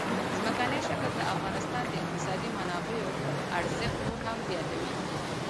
ځمکنی شکل د افغانستان د اقتصادي منابعو ارزښت نور هم زیاتوي.